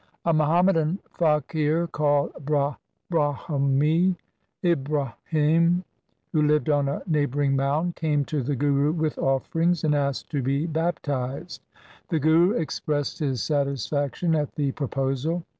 A Muhammadan faqir called Brahmi (Ibrahim), who lived on a neighbouring mound, came to the Guru with offerings, and asked to be baptized. The Guru expressed his satisfaction at the proposal.